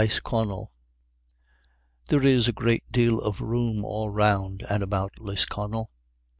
CHAPTER L LISCONNEL. There is a great deal of room all round and about Lisconnel.